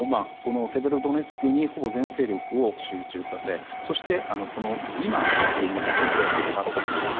セベロドネツクに、ほぼ全勢力を集中させてリマンというところを制圧にかかっていると。